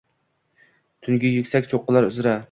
Tungi yuksak cho’qqilar uzra